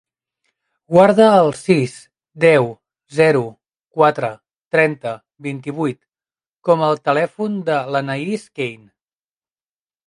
Guarda el sis, deu, zero, quatre, trenta, vint-i-vuit com a telèfon de l'Anaïs Kane.